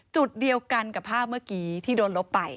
จุดเดียวกันกับภาพเมื่อกี้ที่โดนลบไป